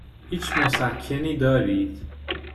هیچ مسکنی دارید؟